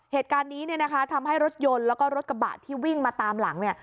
เหตุการณ์นี้ทำให้รถยนต์แล้วก็รถกระบะที่วิ่งมาตามหลัง